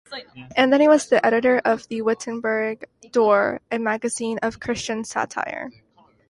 Anthony was the editor of "The Wittenburg Door", a magazine of Christian satire.